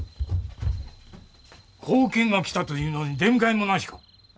後見が来たというのに出迎えもなしか！